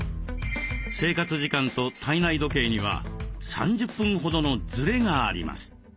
生活時間と体内時計には３０分ほどの「ずれ」があります。